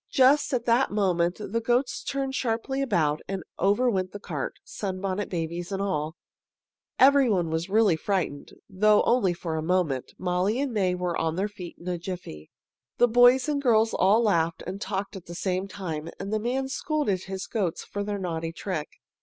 Just at that moment the goats turned sharply about, and over went the cart, Sunbonnet Babies and all. Everybody was then really frightened, though only for a moment. Molly and May were on their feet in a jiffy. The boys and girls all laughed and talked at the same time, and the man scolded his goats for their naughty trick.